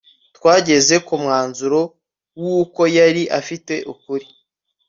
Twageze ku mwanzuro wuko yari afite ukuri